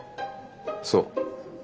そう。